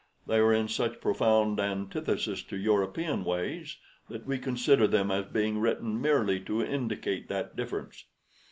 They are in such profound antithesis to European ways that we consider them as being written merely to indicate that difference.